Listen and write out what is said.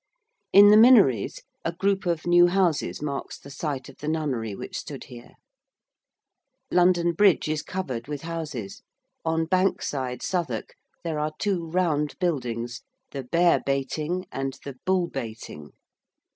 In the Minories a group of new houses marks the site of the nunnery which stood here. London Bridge is covered with houses: on Bank Side, Southwark, there are two round buildings, 'The Bearebayting' and 'The Bullebayting.'